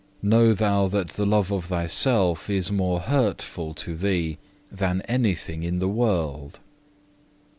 Know thou that the love of thyself is more hurtful to thee than anything in the world.